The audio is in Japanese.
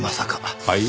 はい？